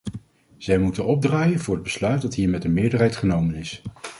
Zij moeten opdraaien voor het besluit dat hier met een meerderheid genomen is.